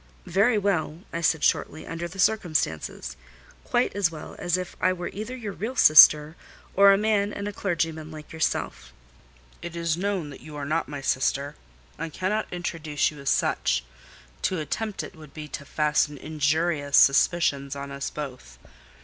"Very well," I said shortly; "under the circumstances, quite as well as if I were either your real sister, or a man and a clergyman like yourself." "It is known that you are not my sister; I cannot introduce you as such: to attempt it would be to fasten injurious suspicions on us both.